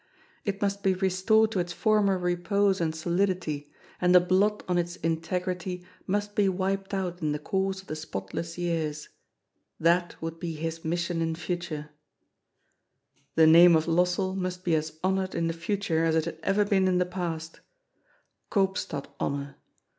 It must be restored to its former repose and solidity, and the blot on its integrity must be wiped out in the course of the spotless years. That would be his mission in future. The name of Lossell must be as honoured in the future as it had ever been in the past. Koopstad honour.